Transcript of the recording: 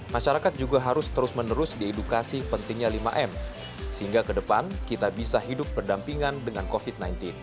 masyarakat juga harus terus menerus diedukasi pentingnya lima m sehingga ke depan kita bisa hidup berdampingan dengan covid sembilan belas